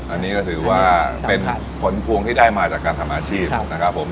อันนี้ก็ถือว่าเป็นผลพวงที่ได้มาจากการทำอาชีพนะครับผม